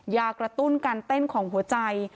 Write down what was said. ยากระตุ้นการเต้นของหัวใจ